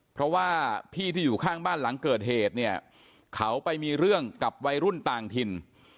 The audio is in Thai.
เพราะว่าพี่ที่อยู่ข้างบ้านหลังเกิดเหตุเนี่ยเขาไปมีเรื่องกับวัยรุ่นต่างถิ่น